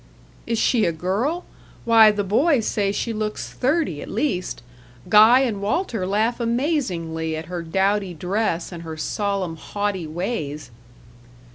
"Is she a girl? Why, the boys say she looks thirty at least. Guy and Walter laugh amazingly at her dowdy dress and her solemn, haughty ways."